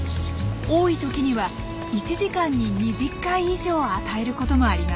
多い時には１時間に２０回以上与えることもあります。